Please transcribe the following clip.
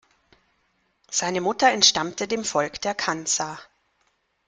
Seine Mutter entstammte dem Volk der Kansa.